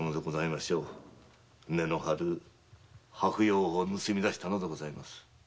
値の張る阿芙蓉を盗み出したのでございます。